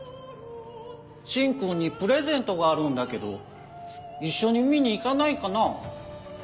芯君にプレゼントがあるんだけど一緒に見に行かないかな？